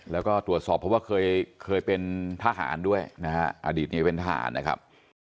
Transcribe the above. แล้วก็ตรวจสอบเพราะว่าเคยเป็นทหารด้วยนะฮะอดีตเนี่ยเป็นทหารนะครับ